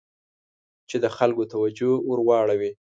چې د خلکو توجه ور واړوي.